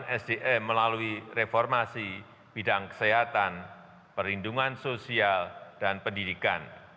dan mendukung reformasi sdm melalui reformasi bidang kesehatan perlindungan sosial dan pendidikan